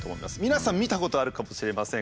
皆さん見たことあるかもしれません。